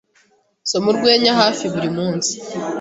Nsoma urwenya hafi buri munsi.